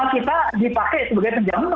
kita dipakai sebagai penjaman